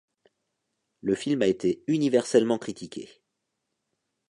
Le film a été universellement critiqué.